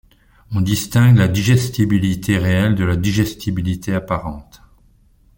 On distingue la digestibilité réelle de la digestibilité apparente.